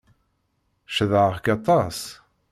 Cedhaɣ-k aṭas.